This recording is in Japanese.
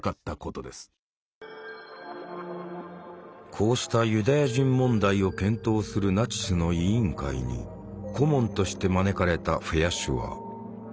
こうしたユダヤ人問題を検討するナチスの委員会に顧問として招かれたフェアシュアー。